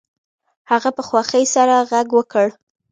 هغه په خوښۍ سره غږ وکړ